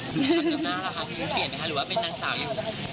ค่ะคุณเปลี่ยนไหมคะหรือว่าเป็นนางสาวอยู่